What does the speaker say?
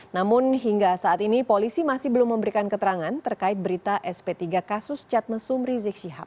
namun hingga saat ini polisi masih belum memberikan keterangan terkait berita sp tiga kasus cat mesum rizik syihab